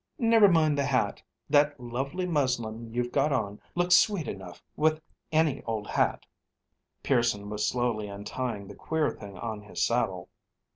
Never mind the hat. That lovely muslin you've got on looks sweet enough with any old hat." Pearson was slowly untying the queer thing on his saddle.